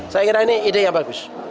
saya kira ini ide yang bagus